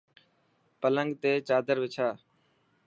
پلنگ تي چادر وڇا.